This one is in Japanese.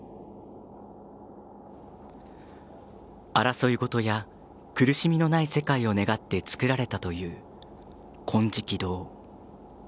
争いごとや苦しみのない世界を願って造られたという金色堂。